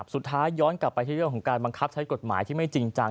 สุดท้ายย้อนกลับไปที่เรื่องของการบังคับใช้กฎหมายที่ไม่จริงจัง